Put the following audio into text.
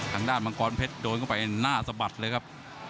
มังกรเพชรโดนเข้าไปหน้าสะบัดเลยครับ